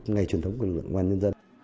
ngày truyền thống của lực lượng quan nhân dân